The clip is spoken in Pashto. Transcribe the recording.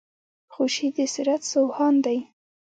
خوشي د سرت سو هان دی.